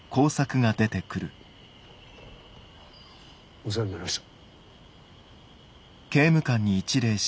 お世話になりました。